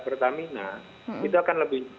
pertamina itu akan lebih